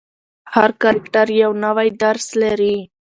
هر کرکټر یو نوی درس لري.